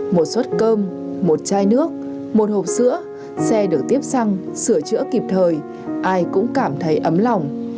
một suất cơm một chai nước một hộp sữa xe được tiếp xăng sửa chữa kịp thời ai cũng cảm thấy ấm lòng